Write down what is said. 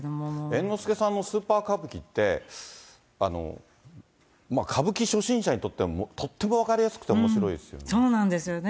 猿之助さんのスーパー歌舞伎って、歌舞伎初心者にとってはとっても分かりやすくておもしろいですよそうなんですよね。